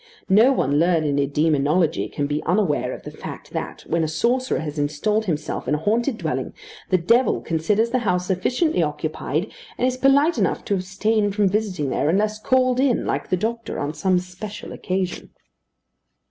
No one learned in demonology can be unaware of the fact that, when a sorcerer has installed himself in a haunted dwelling, the devil considers the house sufficiently occupied, and is polite enough to abstain from visiting there, unless called in, like the doctor, on some special occasion.